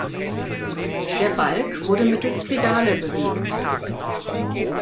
Der Balg wurde mittels Pedale bewegt.